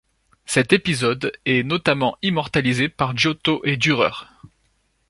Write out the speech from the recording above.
Cet épisode est notamment immortalisé par Giotto et Dürer.